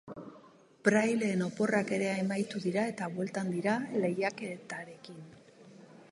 Praileen oporrak ere amaitu dira eta bueltan dira lehiaketarekin!